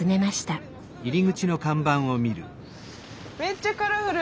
めっちゃカラフル。